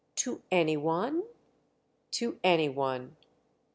"To any one?" "To any one."